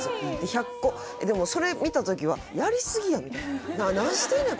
１００個でもそれ見た時はやりすぎやんみたいな何してんねん